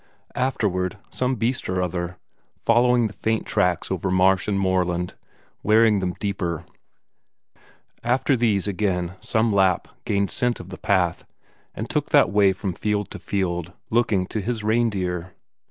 Afterward, some beast or other, following the faint tracks over marsh and moorland, wearing them deeper; after these again some Lapp gained scent of the path, and took that way from field to field, looking to his reindeer.